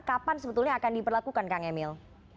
kapan sebetulnya akan diperlakukan kang emil